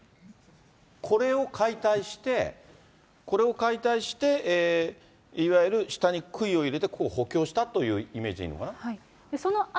これを解体して、これを解体して、いわゆる下にくいを入れて、ここを補強したというイメージでいいのかな。